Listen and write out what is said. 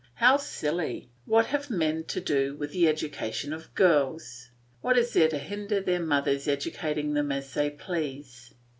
How silly! What have men to do with the education of girls? What is there to hinder their mothers educating them as they please?